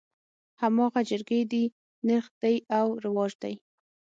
هماغه جرګې دي نرخ دى او رواج دى.